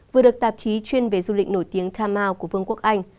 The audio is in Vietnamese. vừa được tạp chí chuyên về du lịch nổi tiếng tha mau của vương quốc anh